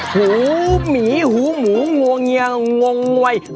ที่หูหมูงวงเงียงงวงวัย